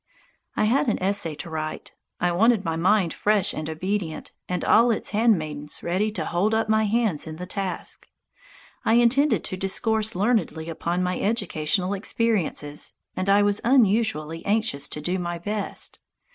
I had an essay to write. I wanted my mind fresh and obedient, and all its handmaidens ready to hold up my hands in the task. I intended to discourse learnedly upon my educational experiences, and I was unusually anxious to do my best.